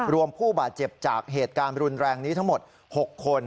ผู้บาดเจ็บจากเหตุการณ์รุนแรงนี้ทั้งหมด๖คน